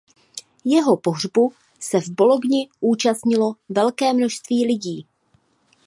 Jeho pohřbu se v Bologni účastnilo velké množství lidí.